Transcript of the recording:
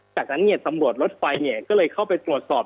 จากนั้นสำรวจรสไฟคือเข้าไปรอบ